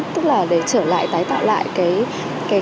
tức là để trở lại tái tạo lại cái